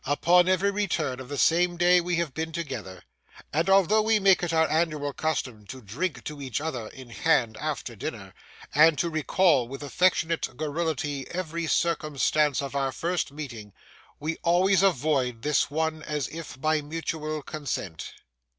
Upon every return of the same day we have been together; and although we make it our annual custom to drink to each other hand in hand after dinner, and to recall with affectionate garrulity every circumstance of our first meeting, we always avoid this one as if by mutual consent.